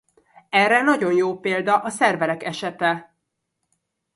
Erre nagyon jó példa a szerverek esete.